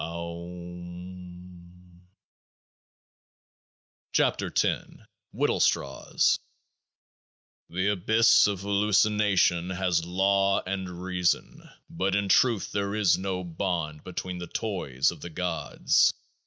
Aum. 17 KEOAAH I WINDLESTRAWS The Abyss of Hallucinations has Law and Reason ; but in Truth there is no bond between the Toys of the Gods.